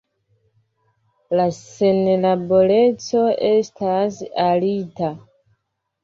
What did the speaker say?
La senlaboreco estas alta.